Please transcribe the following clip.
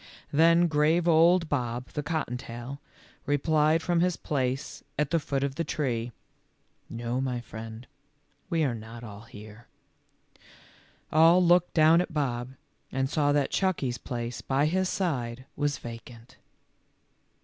Then grave old Bob, the cottontail, replied from his place at the foot of the tree, " No, my friend, we are not all here." All looked down at Bob, and saw that Chucky 's place by his side was vacant.